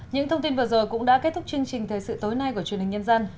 những thông tin vừa rồi cũng đã kết thúc chương trình thời sự tối nay của truyền hình nhân dân